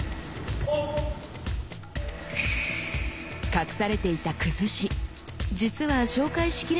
隠されていた「崩し」実は紹介しきれなかったもの